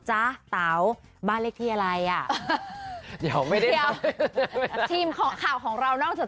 หรือว่าเป็นยังไง